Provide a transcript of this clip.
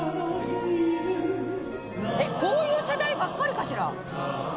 えっこういう世代ばっかりかしら？